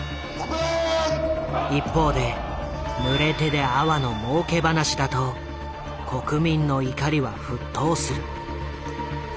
一方で「濡れ手で粟」のもうけ話だと国民の怒りは沸騰する。